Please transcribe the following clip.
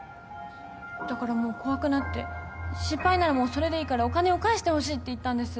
だからもう怖くなって失敗ならもうそれでいいからお金を返してほしいって言ったんです